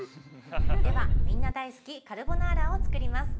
では、みんな大好きカルボナーラを作ります。